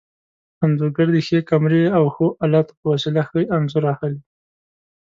انځورګر د ښې کمرې او ښو الاتو په وسیله ښه انځور اخلي.